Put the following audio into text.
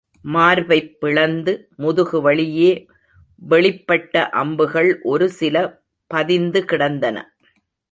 மார்பைப் பிளந்து முதுகு வழியே வெளிப்பட்ட அம்புகள் ஒரு சில பதிந்து கிடந்தன.